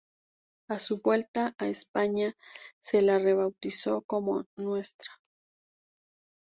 A su vuelta a España, se la rebautizó como "Ntra.